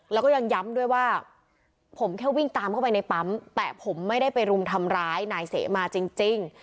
แล้วก็ยังย้ำด้วยว่าผมแค่วิ่งตามเข้าไปในปั๊มแต่ผมไม่ได้ไปรุมทำร้ายนายเสมาจริง